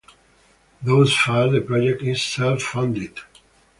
Thus far, the project is self-funded.